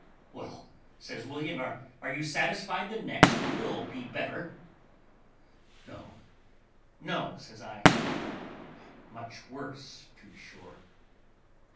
"Well," says William, "are you satisfied the next will be better?" "No, no," says I; "much worse, to be sure."